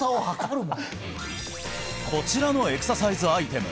こちらのエクササイズアイテム